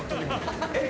えっ？